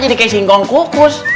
jadi kayak singkong kukus